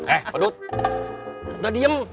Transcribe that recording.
eh padut udah diem